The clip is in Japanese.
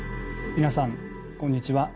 皆さんこんにちは。